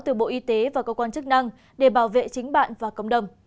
từ bộ y tế và cơ quan chức năng để bảo vệ chính bạn và cộng đồng